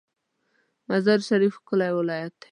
مزار شریف ښکلی ولایت ده